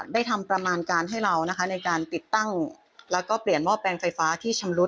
ได้ทำประมาณการให้เรานะคะในการติดตั้งแล้วก็เปลี่ยนหม้อแปลงไฟฟ้าที่ชำรุด